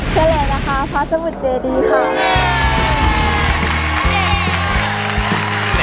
เฉลยนะคะพระสมุทรเจดีค่ะ